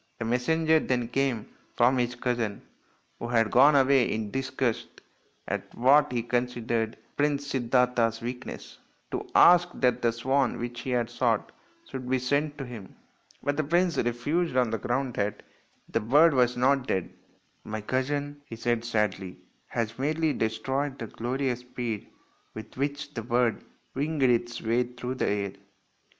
A messenger then came from his cousin, who had gone away in disgust at what he considered Prince Siddartha's weakness, to ask that the swan which he had shot should be sent to him. But the prince refused on the ground that the bird was not dead. " My cousin," he said sadly, " has merely destroyed the glorious speed with which the bird winged its way through the air."